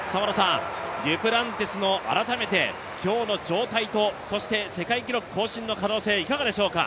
デュプランティスの改めて今日の状態とそして世界記録更新の可能性いかがでしょうか？